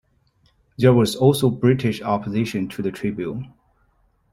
There was also British opposition to the tribute.